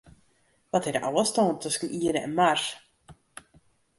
Wat is de ôfstân tusken de Ierde en Mars?